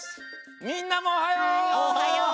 みんなもおはよう！